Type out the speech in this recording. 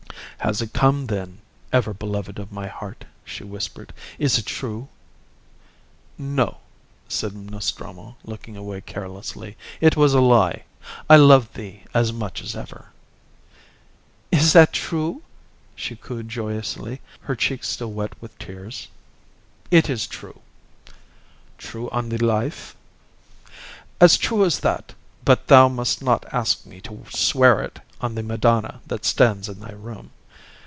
"Has it come, then, ever beloved of my heart?" she whispered. "Is it true?" "No," said Nostromo, looking away carelessly. "It was a lie. I love thee as much as ever." "Is that true?" she cooed, joyously, her cheeks still wet with tears. "It is true." "True on the life?" "As true as that; but thou must not ask me to swear it on the Madonna that stands in thy room."